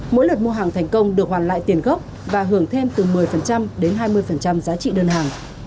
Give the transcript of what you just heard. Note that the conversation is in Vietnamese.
mỗi lượt mua hàng thành công được hoàn lại tiền gốc và hưởng thêm từ một mươi đến hai mươi giá trị đơn hàng